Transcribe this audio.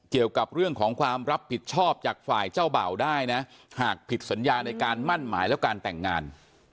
เกี่ยวกับเรื่องของความรับผิดชอบจากฝ่ายเจ้าเบ่าได้นะหากผิดสัญญาในการมั่นหมายแล้วการแต่งงาน